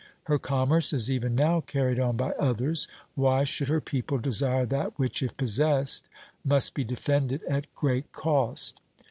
Her commerce is even now carried on by others; why should her people desire that which, if possessed, must be defended at great cost?